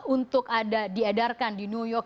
untuk diadarkan di new york